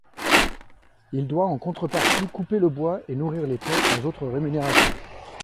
Il doit en contrepartie couper le bois et nourrir les porcs, sans autre rémunération.